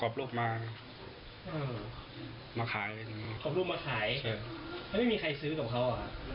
กรอบรูปมาขายเพราะไม่มีใครซื้อต่อเขา